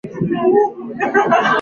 在机场找了一段时间